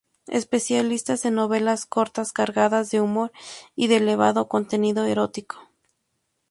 Especialista en novelas cortas, cargadas de humor y de elevado contenido erótico.